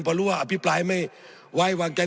พอรู้ว่าอภิปรายไม่ไว้วางใจ